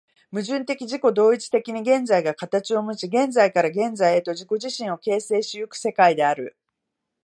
矛盾的自己同一的に現在が形をもち、現在から現在へと自己自身を形成し行く世界である。